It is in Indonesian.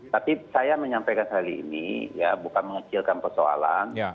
tapi saya menyampaikan kali ini bukan mengecilkan persoalan